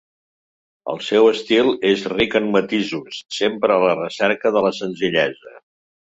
El seu estil és ric en matisos, sempre a la recerca de la senzillesa.